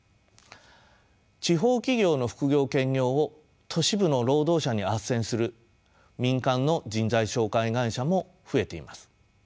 地方企業の副業・兼業を都市部の労働者にあっせんする民間の人材紹介会社も増えています。